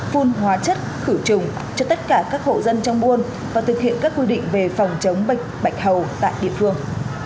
phun hóa chất khử trùng cho tất cả các hộ dân trong buôn và thực hiện các quy định về phòng chống bệnh bạch hầu tại địa phương